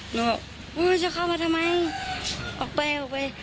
หนูบอกอุ้ยจะเข้ามาทำไมออกไปออกไป